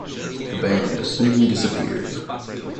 The band soon disappeared.